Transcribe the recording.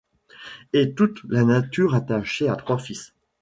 Et toute la nature attachée à trois fils !